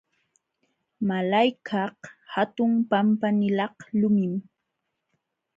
Malaykaq hatun pampanilaq lumim.